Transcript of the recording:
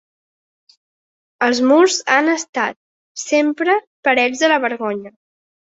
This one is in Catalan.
Els murs han estat, sempre, parets de la vergonya.